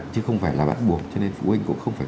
chứ không phải là bắt buộc cho nên phụ huynh cũng không phải